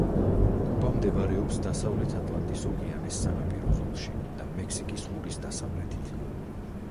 კუბა მდებარეობს დასავლეთ ატლანტის ოკეანეს სანაპირო ზოლში და მექსიკის ყურის დასავლეთით.